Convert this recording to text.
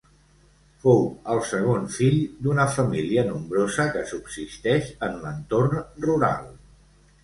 Fou el segon fill d’una família nombrosa que subsisteix en l’entorn rural.